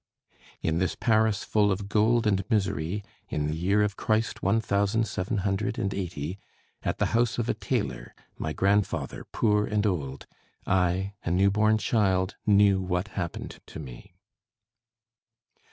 (In this Paris full of gold and misery, In the year of Christ one thousand seven hundred and eighty, At the house of a tailor, my grandfather poor and old, I, a new born child, knew what happened to me.)